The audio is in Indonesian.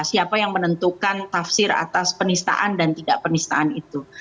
siapa yang menentukan tafsir atas penistaan dan tidak penistaan itu